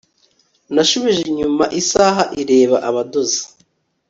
nashubije inyuma isaha ireba abadozi